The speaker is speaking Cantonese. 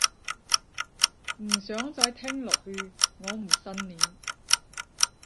唔想再聽落去，我唔信你